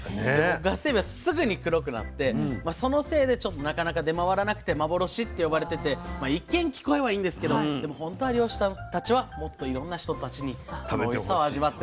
ガスエビはすぐに黒くなってそのせいでなかなか出回らなくて幻って呼ばれてて一見聞こえはいいんですけどでも本当は漁師さんたちはもっといろんな人たちにこのおいしさを味わってもらいたいと。